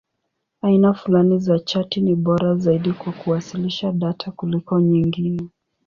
Aina fulani za chati ni bora zaidi kwa kuwasilisha data kuliko nyingine.